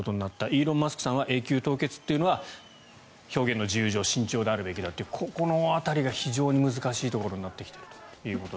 イーロン・マスク氏は永久凍結は、表現の自由上慎重であるべきだというこの辺りが非常に難しくなっていると。